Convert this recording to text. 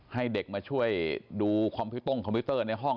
ให้เด็กมาช่วยดูคอมพิวเตอร์ในห้อง